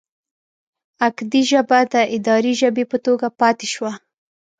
اکدي ژبه د اداري ژبې په توګه پاتې شوه.